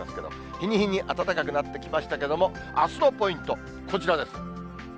日に日に暖かくなってきましたけれども、あすのポイント、こちらです。